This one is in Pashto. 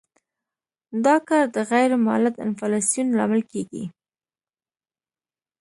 دا کار د غیر مولد انفلاسیون لامل کیږي.